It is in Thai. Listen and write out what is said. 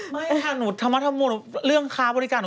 ไม่ค่ะหนูธรรมนูลเรื่องค้าบริการ